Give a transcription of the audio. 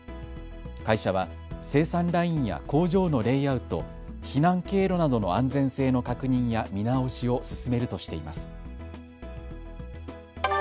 会社は生産ラインや工場のレイアウト、避難経路などの安全性の確認や見直しを進めるとしています。